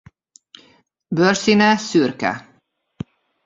Bőrszíne szürke.